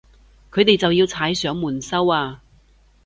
佢哋就要踩上門收啊